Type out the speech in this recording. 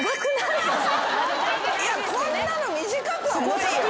いやこんなの短くは無理よ。